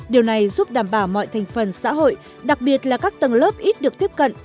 điều này giúp đảm bảo mọi thành phần xã hội đặc biệt là các tầng lớp ít được tiếp cận